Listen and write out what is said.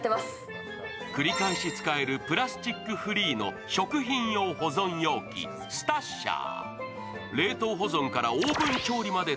繰り返し使えるブラスチックフリー食品用保存容器、ｓｔａｓｈｅｒ。